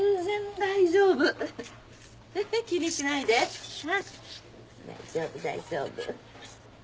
大丈夫大丈夫。